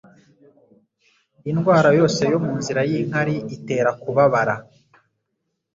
Indwara yose yo mu nzira y'inkari itera kubabara